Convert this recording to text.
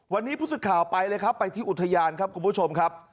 วันนี้ผู้สึกข่าวไปเลยครับไปที่อุทยานครับคุณผู้ชมครับ